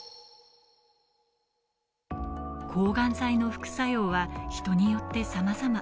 抗がん剤の副作用は人によってさまざま。